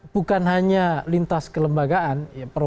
bukan hanya lintas kelembagaan